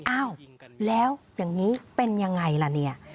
อ้าวแล้วอย่างนี้เป็นยังไงล่ะเนี่ย